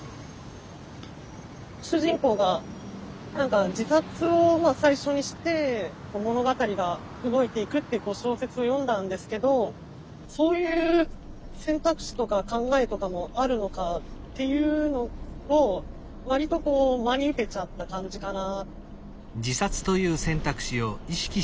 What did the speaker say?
主人公が何か自殺を最初にして物語が動いていくっていう小説を読んだんですけどそういう選択肢とか考えとかもあるのかっていうのを割と真に受けちゃった感じかな。